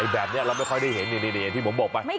แบบนี้เราไม่ค่อยได้เห็นอย่างที่ผมบอกไป